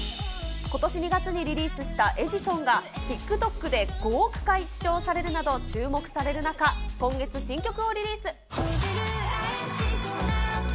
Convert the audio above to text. ことし２月にリリースしたエジソンが、ＴｉｋＴｏｋで５億回視聴されるなど注目される中、今月、新曲をリリース。